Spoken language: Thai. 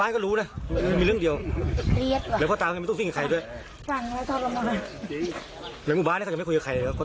อ่ารู้แล้วไม่ต้องฟิงกับใครด้วย